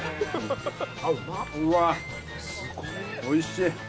おいしい。